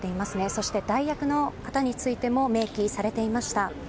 そして代役の方についても明記されていました。